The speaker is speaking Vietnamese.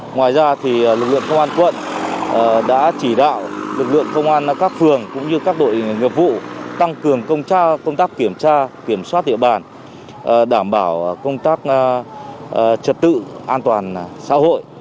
ngoài ra lực lượng công an quận đã chỉ đạo lực lượng công an các phường cũng như các đội nghiệp vụ tăng cường công tác kiểm tra kiểm soát địa bàn đảm bảo công tác trật tự an toàn xã hội